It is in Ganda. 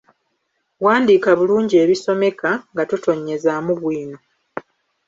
Wandiika bulungi ebisomeka, nga totonnyezzaamu bwino.